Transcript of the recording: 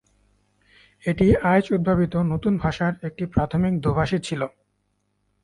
এটি আইচ উদ্ভাবিত নতুন ভাষার একটি প্রাথমিক দোভাষী ছিল।